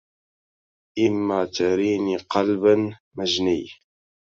إما تريني قالبا مجني